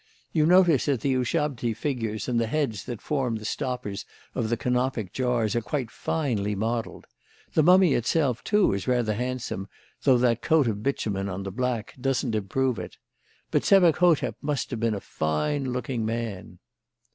You notice that the Ushabti figures and the heads that form the stoppers of the Canopic jars are quite finely modelled. The mummy itself, too, is rather handsome, though that coat of bitumen on the back doesn't improve it. But Sebek hotep must have been a fine looking man."